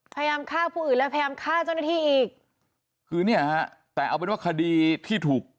พยายามฆ่าผู้อื่นและพยายามฆ่าเจ้าหน้าที่อีกคือเนี่ยฮะแต่เอาเป็นว่าคดีที่ถูก